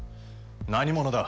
何者だ？